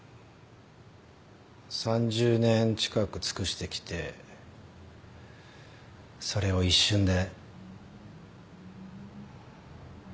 ３０年近く尽くしてきてそれを一瞬で。